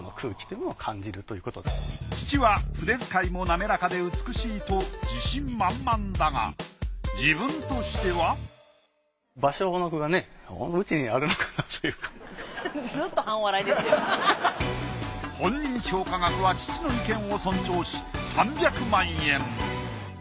父は筆遣いも滑らかで美しいと自信満々だが自分としては本人評価額は父の意見を尊重し３００万円。